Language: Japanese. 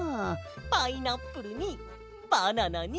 パイナップルにバナナにマンゴー！